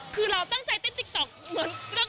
คือเราตั้งใจเต้นติ๊กต๊อกเหมือน